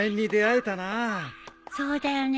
そうだよね。